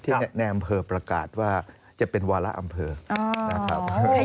ที่แหลกมีแหลกประกาศว่าจะเป็นวาระอำเภานะครับ